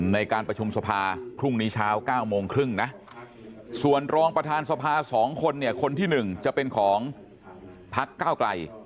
ในการประชุมสภาพรุ่งนี้เช้า๙โมงครึ่งนะส่วนรองประธานสภา๒คนเนี่ยคนที่๑จะเป็นของพักเก้าไกล